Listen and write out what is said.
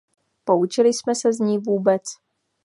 Poučili jsme se z ní vůbec?